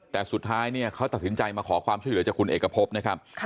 แต่สุดท้ายเนี่ยเขาตัดสินใจมาขอความช่วยเหลือจากคุณเอกพบนะครับ